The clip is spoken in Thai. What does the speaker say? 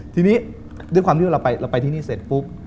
ทีนี้ด้วยความที่ว่าเราไปที่นี่เสร็จปุ๊บ